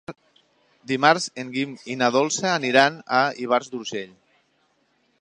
Dimarts en Guim i na Dolça aniran a Ivars d'Urgell.